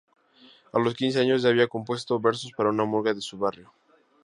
A los quince años ya había compuesto versos para una murga de su barrio.